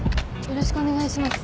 よろしくお願いします。